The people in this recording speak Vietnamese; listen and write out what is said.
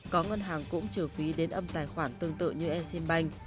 có ngân hàng cũng trừ phí đến âm tài khoản tương tự như exinbank